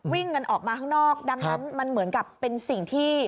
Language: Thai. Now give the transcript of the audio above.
วิ่งกันออกมาข้างนอกดังนั้นมันเหมือนกับเป็นสิ่งที่